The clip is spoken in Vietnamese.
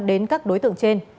đến các đối tượng trên